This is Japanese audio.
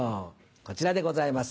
こちらでございます